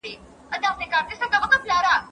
ټولنيز نظامونه په دوو برخو ويشل سوي دي.